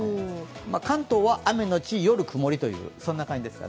関東は雨のち夜曇りという感じです。